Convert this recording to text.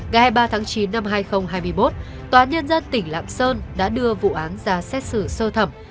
ngày hai mươi ba tháng chín năm hai nghìn hai mươi một tòa nhân dân tỉnh lạng sơn đã đưa vụ án ra xét xử sơ thẩm